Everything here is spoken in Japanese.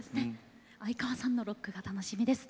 相川さんのロックが楽しみです。